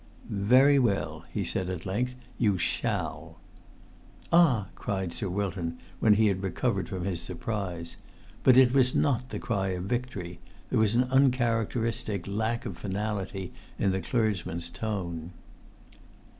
"Very well," he said at length. "You shall!" "Ah!" cried Sir Wilton, when he had recovered from his surprise. But it was not the cry of victory; there was an uncharacteristic lack of finality in the clergyman's tone.